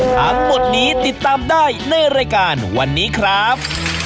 ทั้งหมดนี้ติดตามได้ในรายการวันนี้ครับ